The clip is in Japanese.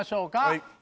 はい。